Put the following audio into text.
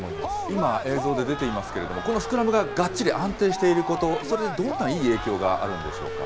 今、映像で出ていますけれども、このスクラムががっちり安定していること、それ、どんないい影響があるんでしょうか。